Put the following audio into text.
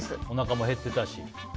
おなかも減っていたし。